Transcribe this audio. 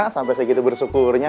sampai segitu bersyukurnya